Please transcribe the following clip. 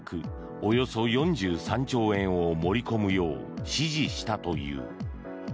およそ４３兆円を盛り込むよう指示したという。